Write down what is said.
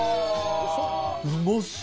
うまそう！